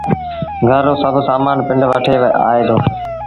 گھر رو سڀ سامآݩ پنڊ وٺي آئي دو